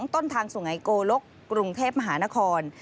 ต้นทางสุไงโกลกกรุงเทพมหานคร